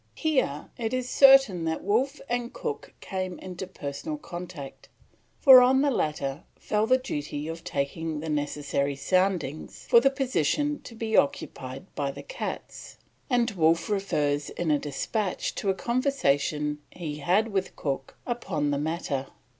Here it is certain that Wolfe and Cook came into personal contact, for on the latter fell the duty of taking the necessary soundings for the position to be occupied by the cats, and Wolfe refers in a despatch to a conversation he had with Cook upon the matter.